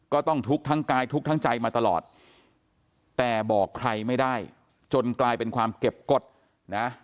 ก็ต้องทุกข์ทั้งกายทุกข์ทั้งใจมาตลอดแต่บอกใครไม่ได้จนกลายเป็นความเก็บกฎนะ